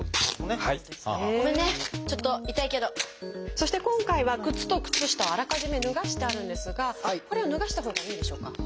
そして今回は靴と靴下をあらかじめ脱がしてあるんですがこれは脱がしたほうがいいんでしょうか？